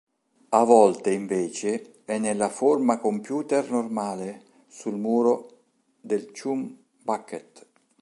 A volte invece è nella forma computer normale, sul muro del Chum Bucket.